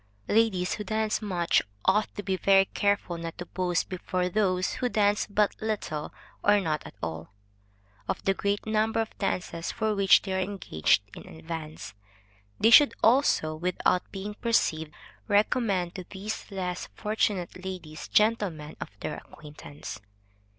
Ladies who dance much, ought to be very careful not to boast before those who dance but little or not at all, of the great number of dances for which they are engaged in advance. They should also, without being perceived, recommend to these less fortunate ladies, gentlemen of their acquaintance.